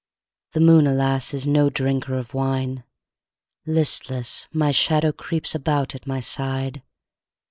The moon, alas, is no drinker of wine; Listless, my shadow creeps about at my side.